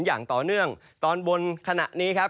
อย่างต่อเนื่องตอนบนขณะนี้ครับ